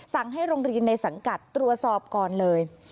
สั่งให้โรงเรียนในสังกัดตรวจสอบก่อนเลย